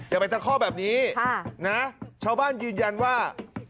อย่าไปตะคอกแบบนี้นะชาวบ้านยืนยันว่า